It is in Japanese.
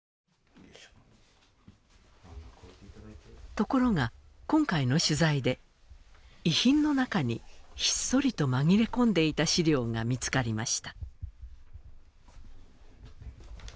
ところが今回の取材で遺品の中にひっそりと紛れ込んでいた史料が見つかりました。